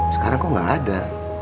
sekarang kok gak ada